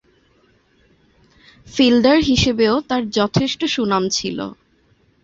Fielder হিসেবেও তার যথেষ্ট সুনাম ছিল।